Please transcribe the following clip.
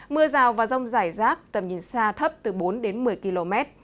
mưa rào và rông rải rác tầm nhìn xa thấp từ bốn đến một mươi km